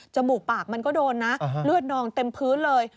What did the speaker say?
มูกปากมันก็โดนนะเลือดนองเต็มพื้นเลย